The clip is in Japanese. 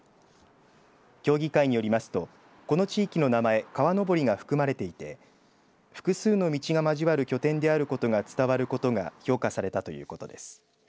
協議会によりますとこの地域の名前川登が含まれていて複数の道が交わる拠点であることが伝わることが評価されたということです。